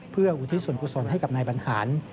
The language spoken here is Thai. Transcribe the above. เพื่ออุทิศส่วนกุศลให้กับนายบรรหาร